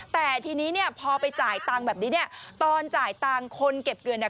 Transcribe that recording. แต่ทีนี้เนี่ยพอไปจ่ายตังค์แบบนี้เนี่ยตอนจ่ายตังค์คนเก็บเงินเนี่ย